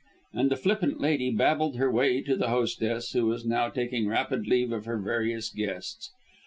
And the flippant lady babbled her way to the hostess, who was now taking rapid leave of her various guests.